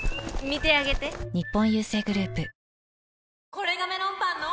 これがメロンパンの！